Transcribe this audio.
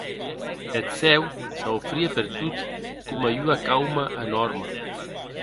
Eth cèu s’aufrie pertot coma ua cauma enòrma.